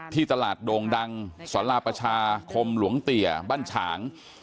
ที่ตลาดโด่งดังสลาประชาคมหลวงเตียบ้านฉาง